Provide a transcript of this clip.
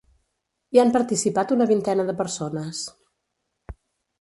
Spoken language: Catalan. Hi han participat una vintena de persones.